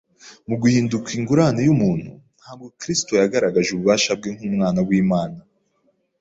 Mu guhinduka ingurane y’umuntu, ntabwo Kristo yagaragaje ububasha bwe nk’Umwana w’Imana.